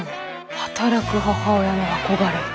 働く母親の憧れ。